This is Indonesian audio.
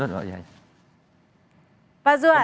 eh ini pak zuhat